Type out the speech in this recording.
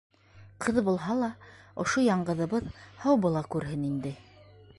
Ҡыҙ булһа ла, ошо яңғыҙыбыҙ һау була күрһен инде.